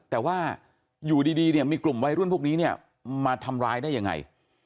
แต่ว่าอยู่ดีมีกลุ่มวัยรุ่นพวกนี้มาทำร้ายได้ยังไง